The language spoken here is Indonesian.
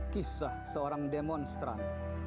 kisah seorang demonstran